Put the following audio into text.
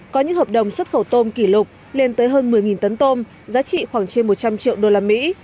có những hợp đồng xuất khẩu tôm kỷ lục lên tới hơn một mươi tấn tôm giá trị khoảng trên một trăm linh triệu usd